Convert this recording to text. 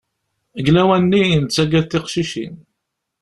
Deg lawan-nni, nettagad tiqcicin.